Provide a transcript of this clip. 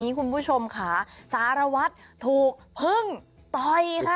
นี่คุณผู้ชมค่ะสารวัสท์ถูกฟึ่งต่อยครับ